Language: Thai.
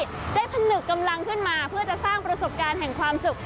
ได้ผนึกกำลังขึ้นมาเพื่อจะสร้างประสบการณ์แห่งความสุข